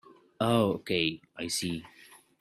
Oh okay, I see.